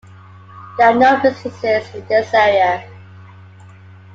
There are no businesses in this area.